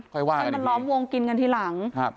การร้องกินกันทีหลัง